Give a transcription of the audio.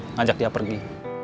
ngajak dia pergi